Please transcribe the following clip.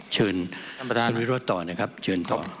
เชิญร้านวิโรธต่อนะครับเชิญต่อ